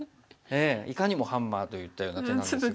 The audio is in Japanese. いかにもハンマーといったような手なんですが。